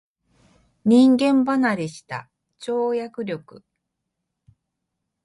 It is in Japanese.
人間離れした跳躍力